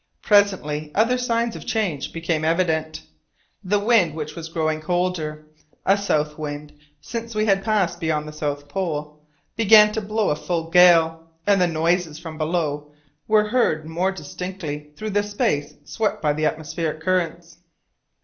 Presently other signs of change became evident. The wind, which was growing colder a south wind since we had passed beyond the south pole began to blow a full gale, and the noises from below were heard more distinctly through the space swept by the atmospheric currents.